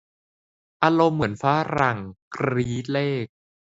อารมณ์เหมือนฝรั่งกรี๊ดเลข